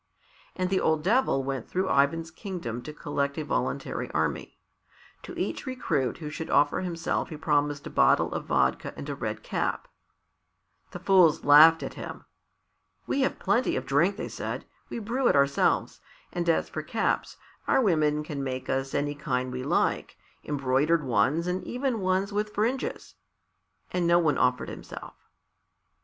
And the old Devil went through Ivan's kingdom to collect a voluntary army. To each recruit who should offer himself he promised a bottle of vodka and a red cap. The fools laughed at him. "We have plenty of drink," they said; "we brew it ourselves, and as for caps, our women can make us any kind we like embroidered ones and even ones with fringes." And no one offered himself.